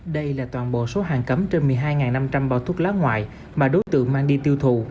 đây là toàn bộ số hàng cấm trên một mươi hai năm trăm linh bao thuốc lá ngoại mà đối tượng mang đi tiêu thụ